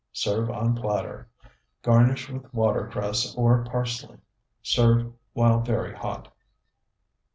Serve on platter, garnish with watercress or parsley. Serve while very hot.